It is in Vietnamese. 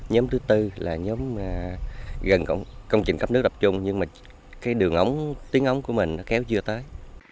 nhóm thứ tư là nhóm gần công trình cấp nước đập trung nhưng đường ống tiếng ống của mình kéo chưa tới